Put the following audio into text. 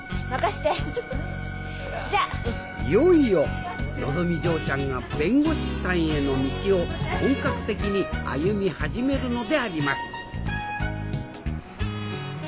いよいよのぞみ嬢ちゃんが弁護士さんへの道を本格的に歩み始めるのであります